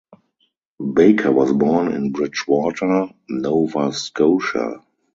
Baker was born in Bridgewater, Nova Scotia.